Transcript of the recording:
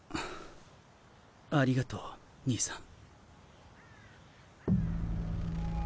ありがとう兄さん。